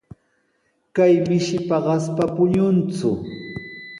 Kay mishi paqaspa puñunku.